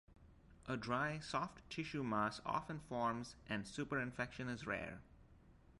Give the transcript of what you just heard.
A dry soft tissue mass often forms and superinfection is rare.